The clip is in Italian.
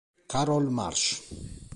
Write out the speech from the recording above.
Carol Marsh